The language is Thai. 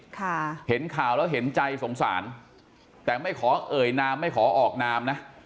ค่ะเห็นข่าวแล้วเห็นใจสงสารแต่ไม่ขอเอ่ยนามไม่ขอออกนามนะ